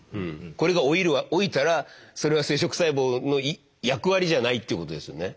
これが老いたらそれは生殖細胞の役割じゃないっていうことですよね？